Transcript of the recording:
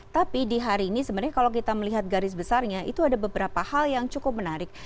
tapi di hari ini sebenarnya kalau kita melihat garis besarnya itu ada beberapa hal yang cukup menarik